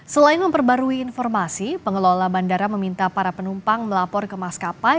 selain memperbarui informasi pengelola bandara meminta para penumpang melapor ke maskapai